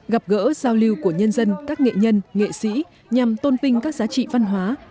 gặp gỡ giao lưu của nhân dân các nghệ nhân nghệ sĩ nhằm tôn vinh các giá trị văn hóa